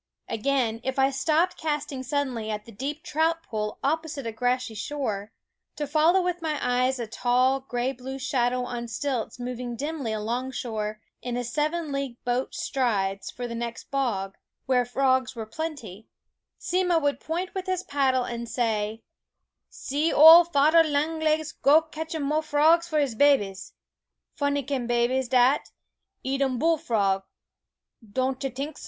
Again, if I stopped casting suddenly at the deep trout pool opposite a grassy shore, to follow with my eyes a tall, gray blue shadow on stilts moving dimly alongshore in seven league boot strides for the next bog, where frogs were plenty, Simmo would point with his paddle and say: "See, OF Fader Longlegs go catch um more frogs for his babies. Funny kin' babies dat, eat um bullfrog ; don' chu tink so ?